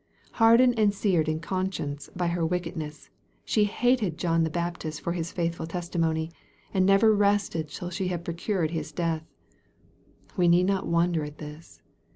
Hardened and seared in conscience by her wickedness, she hated John the Baptist for his faithful testimony, and never rested till she had procured his death. We need not wonder at this.